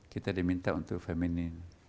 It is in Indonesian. kita diminta untuk feminin